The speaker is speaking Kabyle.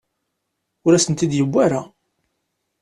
Ur asen-tent-id-yuwi ara.